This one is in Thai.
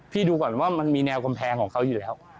ดูก่อนว่ามันมีแนวกำแพงของเขาอยู่แล้ว